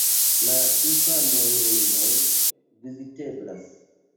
La imponaj ruinoj viziteblas.